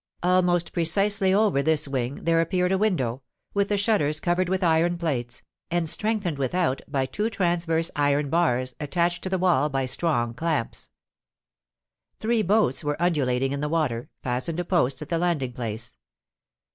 Almost precisely over this wing there appeared a window, with the shutters covered with iron plates, and strengthened without by two transverse iron bars attached to the wall by strong clamps. Three boats were undulating in the water, fastened to posts at the landing place.